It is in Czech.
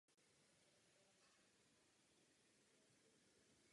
Musíme jim v boji proti režimu nabídnout pomocnou ruku.